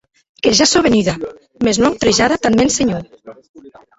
Que ja sò venuda, mès non autrejada ath mèn senhor.